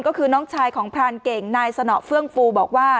ก็คือน้องชายของพรานเก่งนายสนอเฟื่องฟูบอกว่า